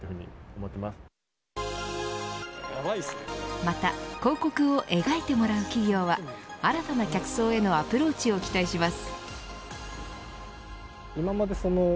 また、広告を描いてもらう企業は新たな客層へのアプローチを期待します。